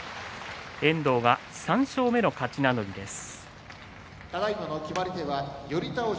遠藤が３勝目の勝ち名乗りです。